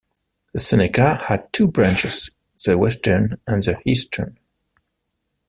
The Seneca had two branches; the western and the eastern.